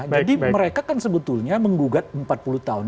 jadi mereka kan sebetulnya menggugat empat puluh tahun